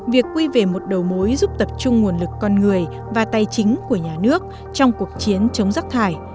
việc quy về một đầu mối giúp tập trung nguồn lực con người và tài chính của nhà nước trong cuộc chiến chống rắc thải